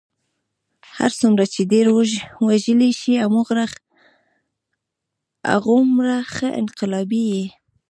هر څومره چې ډېر وژلی شې هغومره ښه انقلابي یې.